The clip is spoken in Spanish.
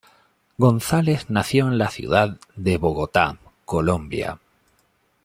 Gonzalez nació en la ciudad de Bogotá, Colombia.